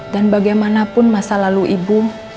dan bagaimanapun masa lalu ibu